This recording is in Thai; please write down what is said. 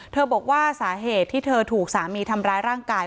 บอกว่าสาเหตุที่เธอถูกสามีทำร้ายร่างกาย